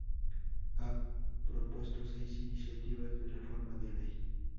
Ha propuesto seis iniciativas de reforma de ley.